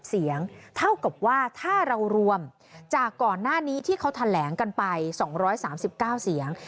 เสียงเท่ากับว่าถ้าเรารวมจากก่อนหน้านี้ที่เขาแถลงกันไป๒๓๙เสียง